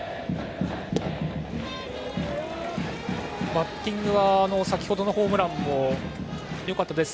バッティングは先程のホームランもよかったです。